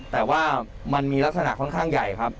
แต่ว่ามันมีลักษณะค่อนข้างใหญ่ครับ